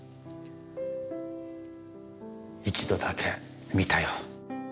一度だけ見たよ。